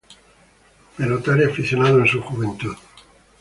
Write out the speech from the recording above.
Pelotari aficionado en su juventud.